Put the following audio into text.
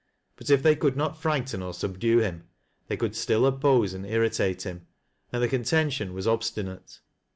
But if they could not frighten or subdue him, they could still oppose and irritate him, and the contention was ob stinate.